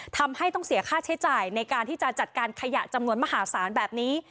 ทำให้ต้องเสียค่าใช้จ่ายในการที่จะจัดการขยะจำนวนมหาศาลแบบนี้